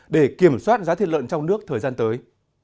để kiểm soát giá thịt lợn trong nước thời gian tới